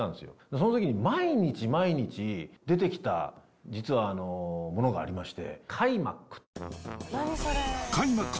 そのときに毎日毎日、出てきた、実はものがありまして、カイマック。